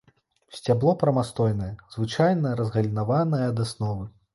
Сцябло прамастойнае, звычайна разгалінаванае ад асновы.